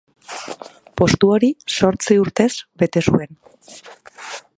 Postu hori zortzi urtez bete zuen.